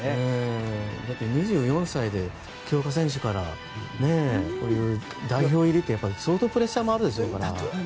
２４歳で強化選手から代表入りって相当プレッシャーもあるでしょうから。